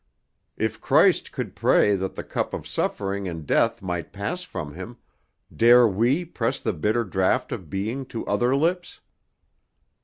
If Christ could pray that the cup of suffering and death might pass from Him, dare we press the bitter draught of being to other lips?"